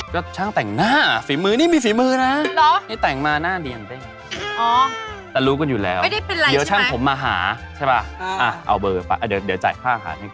คุณตื่นขึ้นมาแล้วเพราะว่าซิกแพ็คสุนร่ำหายไป